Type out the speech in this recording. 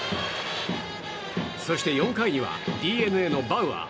そして４回にはＤｅＮＡのバウアー。